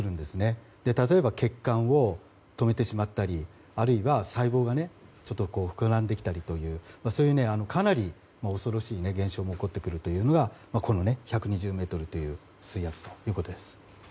それで、例えば血管を止めてしまったりあるいは細胞が膨らんできたりというそういうかなり恐ろしい現象が起こってくるというのがこの１２０ｍの水圧なんです。